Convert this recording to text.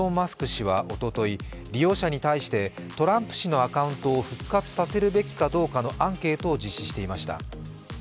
氏は、おととい、利用者に対してトランプ氏のアカウントを復活させるべきかどうかのアンケートを実施していました。